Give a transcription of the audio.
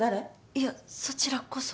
いやそちらこそ。